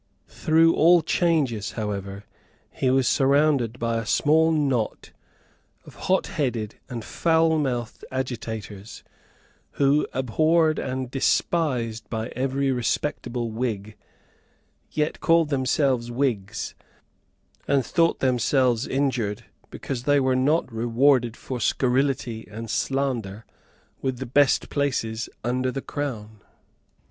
Through all changes, however, he was surrounded by a small knot of hotheaded and foulmouthed agitators, who, abhorred and despised by every respectable Whig, yet called themselves Whigs, and thought themselves injured because they were not rewarded for scurrility and slander with the best places under the Crown.